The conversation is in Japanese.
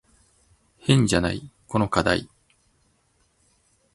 変じゃない？この課題。